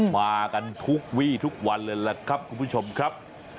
มากันทุกวี่ทุกวันเลยล่ะครับคุณผู้ชมครับ